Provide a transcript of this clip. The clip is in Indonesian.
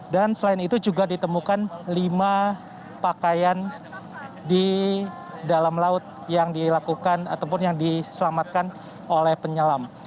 dan selain itu juga ditemukan lima pakaian di dalam laut yang dilakukan ataupun yang diselamatkan oleh penyelam